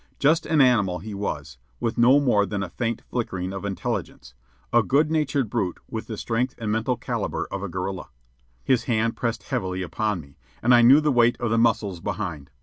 Just an animal he was, with no more than a faint flickering of intelligence, a good natured brute with the strength and mental caliber of a gorilla. His hand pressed heavily upon me, and I knew the weight of the muscles behind.